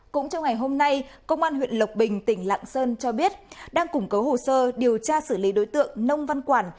cũng trong ngày hôm nay công an huyện lộc bình tỉnh lạng sơn cho biết đang củng cố hồ sơ điều tra xử lý đối tượng nông văn quản